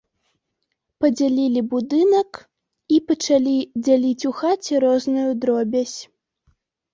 Падзялілі будынак і пачалі дзяліць у хаце розную дробязь.